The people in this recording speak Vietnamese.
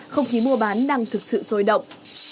không khí mua bán đang thực sự sôi động